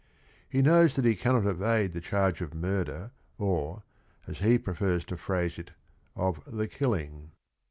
He knows that he cannot evade the charge of murder or, as he prefers to phrase it, of the "killing."